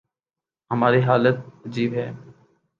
ہماری حالت عجیب ہے۔